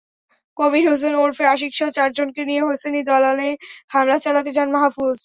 কবির হোসেন ওরফে আশিকসহ চারজনকে নিয়ে হোসেনি দালানে হামলা চালাতে যান মাহফুজ।